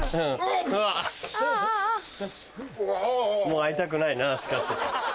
もう会いたくないなしかし。